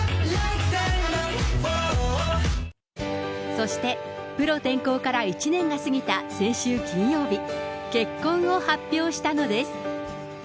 そしてプロ転向から１年が過ぎた先週金曜日、結婚を発表したのです。